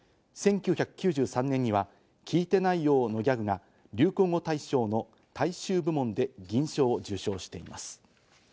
１９９３年には「聞いてないよォ」のギャグが流行語大賞の大衆部門で銀賞を受賞しています。